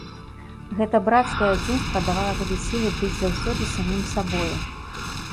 Гэта брацкае адзінства давала табе сілы быць заўсёды самім сабою.